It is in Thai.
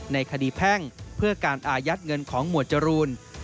ในคดีแพ่งเพื่อการอายัดเงินของหมวดจรูน